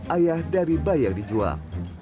ayah dari bayi yang dijual